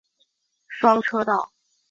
双车道。